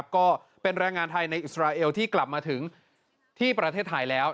ก็เป็นแรงงานไทยในอิสราเอลที่กลับมาถึงที่ประเทศไทยแล้ว